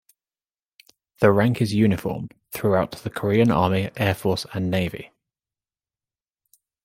The rank is uniform throughout the Korean Army, Air force, and Navy.